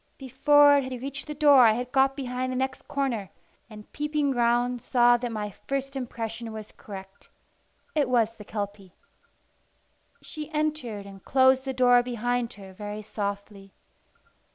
Before it had reached the door I had got behind the next corner, and peeping round saw that my first impression was correct: it was the Kelpie. She entered, and closed the door behind her very softly.